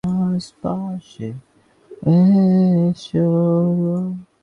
বাবা, তুমি কি শুনতে পাচ্ছো?